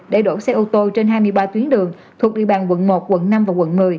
để đổ xe ô tô trên hai mươi ba tuyến đường thuộc địa bàn quận một quận năm và quận một mươi